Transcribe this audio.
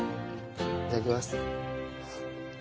いただきます。